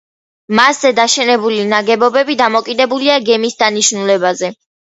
მასზე დაშენებული ნაგებობები დამოკიდებულია გემის დანიშნულებაზე.